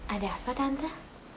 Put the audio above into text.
ada apa tante